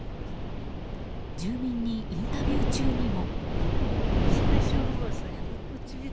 住民にインタビュー中にも。